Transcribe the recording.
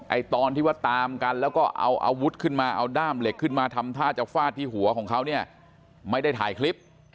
ตอนที่ว่าตามกันแล้วก็เอาอาวุธขึ้นมาเอาด้ามเหล็กขึ้นมาทำท่าจะฟาดที่หัวของเขาเนี่ยไม่ได้ถ่ายคลิป